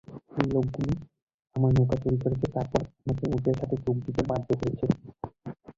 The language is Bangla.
এই লোকগুলো আমার নৌকা চুরি করেছে তারপর আমাকে ওদের সাথে যোগ দিতে বাধ্য করেছে।